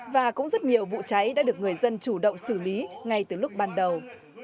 và cũng rất nhiều vụ cháy đã được người dân chủ động xử lý ngay từ lúc ban đầu